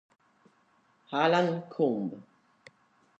Alan Combe